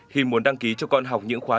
khi muốn đăng ký cho con học những khóa